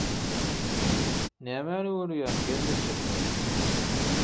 Nämäni görýäň gelneje?